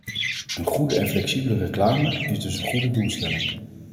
Een goede en flexibele reclame is dus een goede doelstelling.